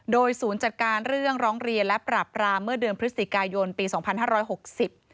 โดยศูนย์จัดการเรื่องร้องเรียนและปรับปรามเมื่อเดือนพฤติกายนปี๒๕๖๐